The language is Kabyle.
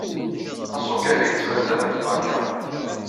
Aṣuk-ahi yettban-d am tbanka.